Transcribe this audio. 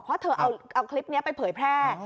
เพราะเธอเอาคลิปนี้ไปเผยแพร่